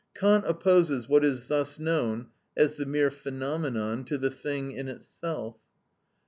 Kant opposes what is thus known as the mere phenomenon to the thing in itself.